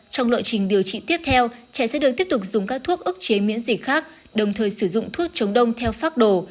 trong lộ trình điều trị tiếp theo trẻ sẽ được tiếp tục dùng các thuốc ức chế miễn dịch khác đồng thời sử dụng thuốc chống đông theo phác đồ